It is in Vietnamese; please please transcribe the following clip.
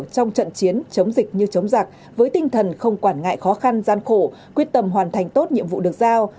trong trận chiến chống dịch như chống giặc với tinh thần không quản ngại khó khăn gian khổ quyết tâm hoàn thành tốt nhiệm vụ được giao